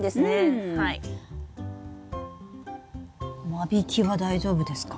間引きは大丈夫ですか？